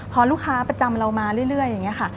พอลูกค้าประจำเรามาเรื่อยอย่างนี้ค่ะ